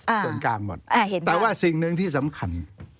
ส่วนกลางหมดแต่ว่าสิ่งหนึ่งที่สำคัญ